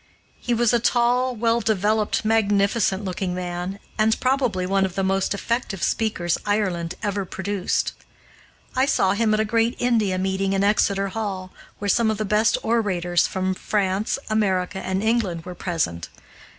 He was a tall, well developed, magnificent looking man, and probably one of the most effective speakers Ireland ever produced. I saw him at a great India meeting in Exeter Hall, where some of the best orators from France, America, and England were present.